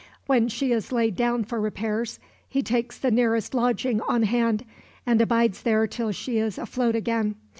When she is laid down for repairs, he takes the nearest lodging on hand, and abides there till she is afloat again.